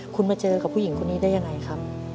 คุณมาเจอกับผู้หญิงคนนี้ได้ยังไงครับ